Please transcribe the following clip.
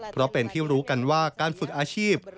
เพราะเป็นที่รู้กันว่าการฝึกอาชีพ